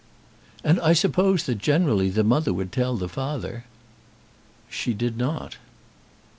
"And I suppose that generally the mother would tell the father." "She did not."